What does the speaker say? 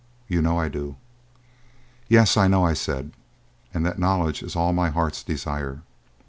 You know I do." "Yes, I know," I said; "and that knowledge is all my heart's desire."